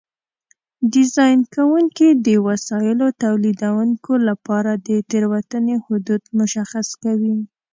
ډیزاین کوونکي د وسایلو تولیدوونکو لپاره د تېروتنې حدود مشخص کوي.